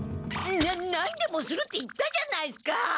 な何でもするって言ったじゃないっすか！